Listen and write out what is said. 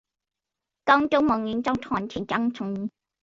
公督盟依照团体章程是由团体推举的代表参选理监事。